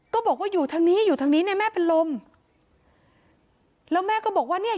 ก็บอกว่าอยู่ทางนี้อยู่ทางนี้เนี่ยแม่เป็นลมแล้วแม่ก็บอกว่าเนี่ย